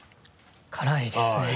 辛いですね。